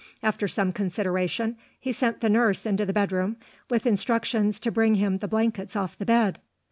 After some consideration, he sent the nurse into the bedroom, with instructions to bring him the blankets off the bed.